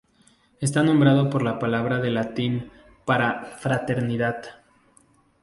Está nombrado por la palabra del latín para "fraternidad".